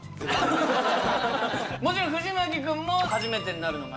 もちろん藤牧君も初めてになるのかな？